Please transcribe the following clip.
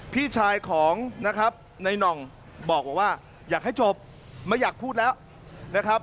พี่ชายของนะครับในน่องบอกว่าอยากให้จบไม่อยากพูดแล้วนะครับ